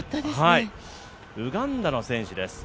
ウガンダの選手です。